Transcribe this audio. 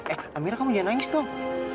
eh amira kamu jangan nangis dong